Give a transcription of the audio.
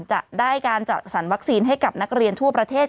จะได้การจัดสรรวัคซีนให้กับนักเรียนทั่วประเทศ